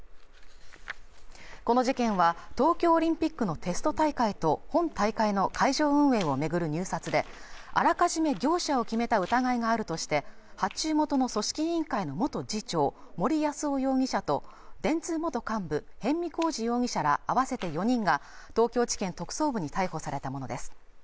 この事件は東京オリンピックのテスト大会と本大会の会場運営を巡る入札であらかじめ業者を決めた疑いがあるとして発注元の組織委員会の元次長森泰夫容疑者と電通元幹部逸見晃治容疑者ら合わせて４人が東京地検特捜部に逮捕されたものです